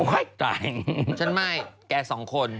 ค่ะใช่ฉันไม่แกสองคน